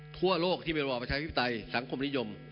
ทั่วโลกที่มีระบบประชาชนภิกษาไทยสังคมนิยม